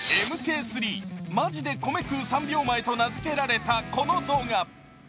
ＭＫ３、マジでコメ食う３秒前と名付けられたこの動画。